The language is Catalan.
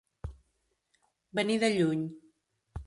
Venir de lluny.